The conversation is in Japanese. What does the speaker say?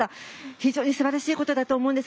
非常にすばらしいことだと思います。